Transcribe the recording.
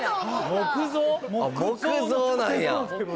木造なんや。